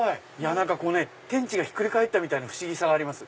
天地がひっくり返ったみたいな不思議さがあります。